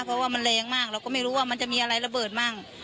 เพราะว่ามันแรงมากเราก็ไม่รู้ว่ามันจะมีอะไรระเบิดมั่ง